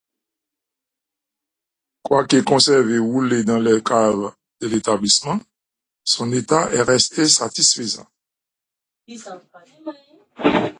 Quoique conservée roulée dans les caves de l'établissement, son état est resté satisfaisant.